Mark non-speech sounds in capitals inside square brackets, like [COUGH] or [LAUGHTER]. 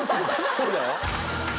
そうだよ [LAUGHS]